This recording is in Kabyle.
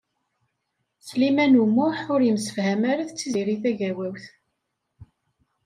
Sliman U Muḥ ur yemsefham ara d Tiziri Tagawawt.